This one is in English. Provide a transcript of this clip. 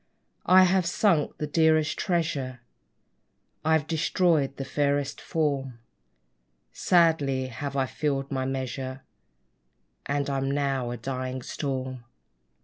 I have sunk the dearest treasure I've destroyed the fairest form: Sadly have I filled my measure; And I'm now a dying Storm!